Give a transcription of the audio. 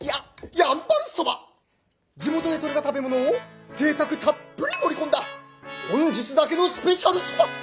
地元で取れた食べ物をぜいたくたっぷり盛り込んだ本日だけのスペシャルそば！